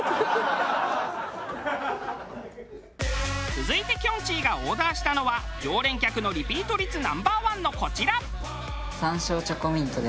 続いてきょんちぃがオーダーしたのは常連客のリピート率Ｎｏ．１のこちら。